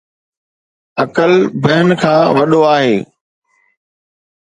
عقل بهن کان وڏو آهي